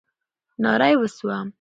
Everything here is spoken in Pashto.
ناره یې وسوه.